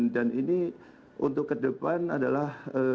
dan ini untuk ke depan adalah